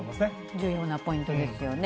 重要なポイントですよね。